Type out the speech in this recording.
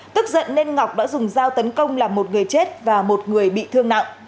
tức giận nên ngọc đã dùng dao tấn công làm một người chết và một người bị thương nặng